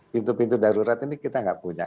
pintu pintu darurat ini kita nggak punya